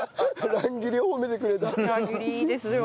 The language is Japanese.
乱切りいいですよ。